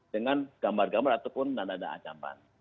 dengan gambar gambar ataupun dana dana ancaman